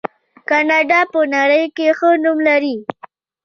کاناډا په نړۍ کې ښه نوم لري.